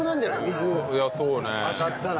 水当たったら。